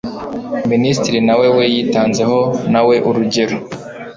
Minisitiri nawe we yitanzeho nawe urugero